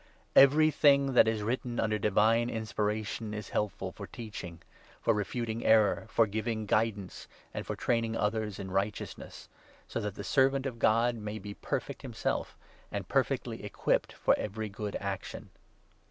Everything that is written under divine 16 inspiration is helpful for teaching, for refuting error, for giving guidance, and for training others in righteousness ; so that 17 the Servant of God may be perfect himself, and perfectly equipped for every good action.